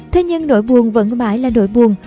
thế nhưng nỗi buồn vẫn mãi là nỗi buồn